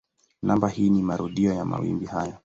Namba hii ni marudio ya mawimbi haya.